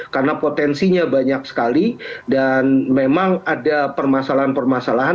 karena potensinya banyak sekali dan memang ada permasalahan permasalahan